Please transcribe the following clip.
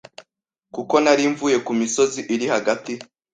Kuko nari mvuye ku misozi iri hagati